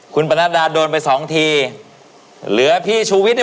คุณบรรดาโดนไป๒ทีเหลือพี่ชูวิทย์เนี่ย